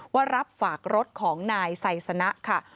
ว่ารับฝากรถของนายไซสนะค่ะ